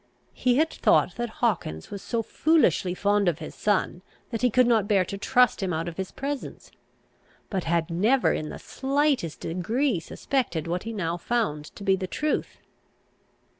He had thought that Hawkins was so foolishly fond of his son, that he could not bear to trust him out of his presence; but had never in the slightest degree suspected what he now found to be the truth.